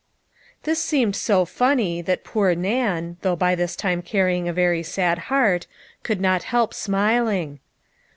This seemed so funny, that poor Nan, though by this time carrying a very sad heart, could not help smiling.